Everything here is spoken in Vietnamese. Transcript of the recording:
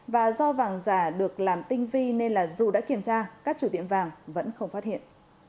và do vàng giả được làm tinh vi nên dù đã kiểm tra các chủ tiệm vàng vẫn không phát hiện